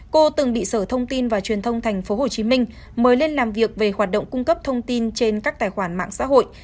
cô từng bị sở thông tin và truyền thông tp hcm mời lên làm việc về hoạt động cung cấp thông tin trên các tài khoản mạng xã hội